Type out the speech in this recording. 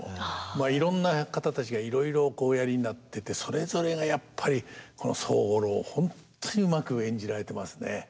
いろんな方たちがいろいろおやりになっててそれぞれがやっぱりこの宗五郎ほんとにうまく演じられてますね。